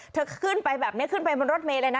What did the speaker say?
เธอขึ้นไปแบบนี้ขึ้นไปบนรถเมย์เลยนะ